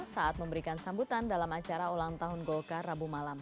saat memberikan sambutan dalam acara ulang tahun golkar rabu malam